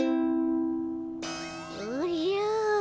おじゃ。